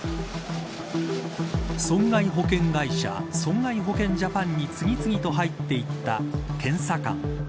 損害保険会社損害保険ジャパンに次々と入っていった検査官。